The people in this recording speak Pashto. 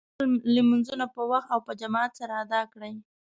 تاسو باید خپل لمونځونه په وخت او په جماعت سره ادا کړئ